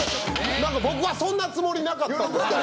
何か僕はそんなつもりなかったんですけど。